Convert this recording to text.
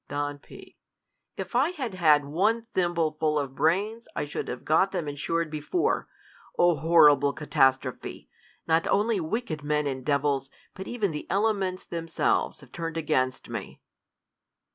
Don P, If I had had one thimble full of brains, I should have got them insured before. O horrible ca tastrophe ! Not only wicked men and devils, but even the elements themselves have turned against me.